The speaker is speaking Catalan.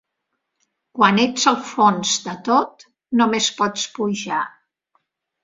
Quan ets al fons de tot, només pots pujar.